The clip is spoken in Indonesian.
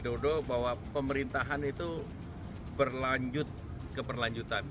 jodoh bahwa pemerintahan itu berlanjut keperlanjutan